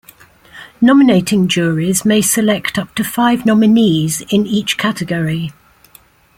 Nominating Juries may select up to five nominees in each category.